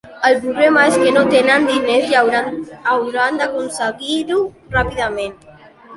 El problema és que no tenen diners i hauran d'aconseguir-ho ràpidament.